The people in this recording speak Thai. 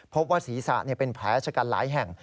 พบว่าศีรษะเป็นแผลชะกันหลายแห่ง